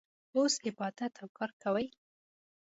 اوس عبادت او کار کوي.